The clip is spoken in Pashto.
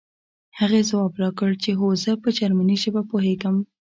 هغې ځواب راکړ چې هو زه په جرمني ژبه پوهېږم